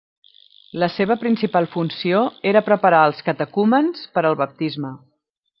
La seva principal funció era preparar els catecúmens per al baptisme.